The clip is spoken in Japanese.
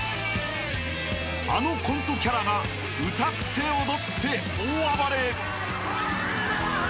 ［あのコントキャラが歌って踊って大暴れ］